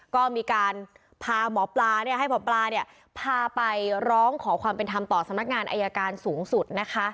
ก็มีการพาหมอปลาให้หมอปลาเนี่ยพาไปร้องขอความเป็นธรรมต่อสำนักงานอายการสูงสุดนะคะ